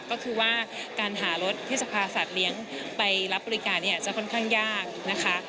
ก็คือว่าการหารถที่จะพาสัตว์เลี้ยงไปรับบริการเนี่ยจะค่อนข้างยากนะคะ